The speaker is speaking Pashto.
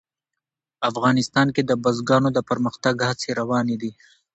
افغانستان کې د بزګانو د پرمختګ هڅې روانې دي.